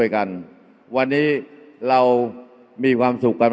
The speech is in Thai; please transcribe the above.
อย่าให้ลุงตู่สู้คนเดียว